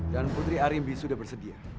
dan putri harimbi sudah bersedia